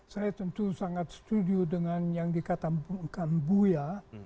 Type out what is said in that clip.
saya tentu sangat setuju dengan yang dikatakan buya